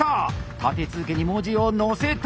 立て続けに文字を載せた！